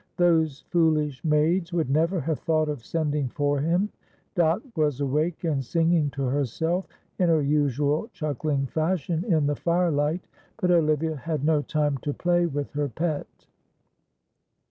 Those foolish maids would never have thought of sending for him. Dot was awake and singing to herself in her usual chuckling fashion in the firelight, but Olivia had no time to play with her pet.